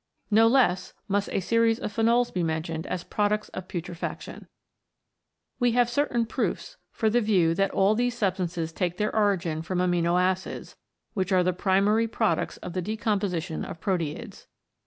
No less must a series of phenols be mentioned as products of putrefaction. We have certain proofs for the view that all these substances take their origin from amino acids, which are the primary products of the decomposition of proteids.